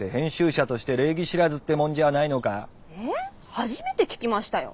初めて聞きましたよ。